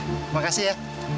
terima kasih ya